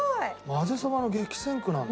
まぜそばの激戦区なんだ。